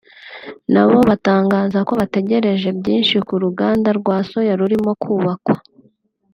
na bo batangaza ko bategereje byinshi ku ruganda rwa Soya rurimo kubakwa